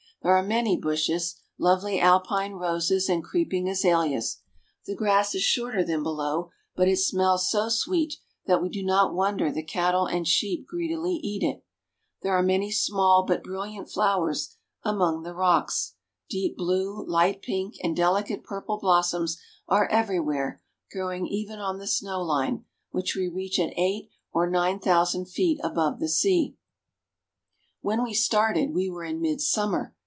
There are many bushes, lovely Alpine roses, and creeping azaleas. The grass is shorter than below, but it smells so sweet that we do not wonder the cattle and sheep greedily eat it. There are many small but bril liant flowers among the rocks ; deep blue, light pink, and delicate purple blossoms are everywhere growing, even on the snow line, which we reach at eight or nine thousand feet above the sea. 254 SWITZERLAND. When we started we were in midsummer.